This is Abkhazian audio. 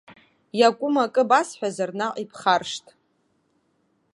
Иакәым акыр басҳәазар, наҟ ибхаршҭ.